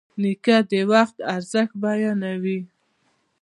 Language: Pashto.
نیکه د وخت ارزښت بیانوي.